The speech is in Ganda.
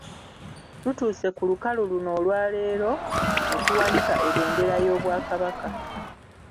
Tutuuse ku lukalu luno olwa leero ne tuwanika ebendera y'Obwakabaka.